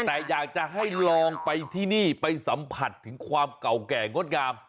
แต่อยากจะให้ลองไปที่นี่ไปสัมผัสถึงความเก่าแก่งดงาม